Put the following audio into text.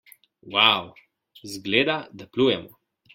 Wau! Zgleda, da plujemo!